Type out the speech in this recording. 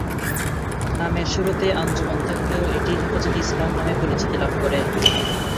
নামের শুরুতে আঞ্জুমান থাকলেও এটি ‘হেফাজতে ইসলাম’ নামে পরিচিতি লাভ করে।